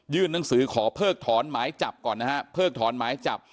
หนังสือขอเพิกถอนหมายจับก่อนนะฮะเพิกถอนหมายจับ